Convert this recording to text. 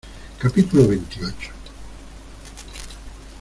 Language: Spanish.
capítulo veintiocho.